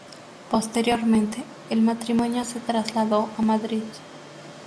Posteriormente, el matrimonio se trasladó a Madrid.